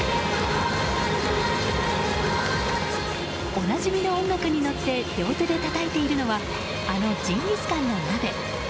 おなじみの音楽に乗って両手でたたいているのはあのジンギスカンの鍋。